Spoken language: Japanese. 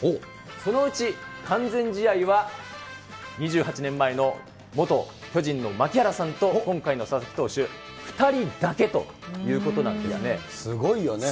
そのうち、完全試合は、２８年前の元巨人の槙原さんと今回の佐々木投手２人だけというこすごいよね。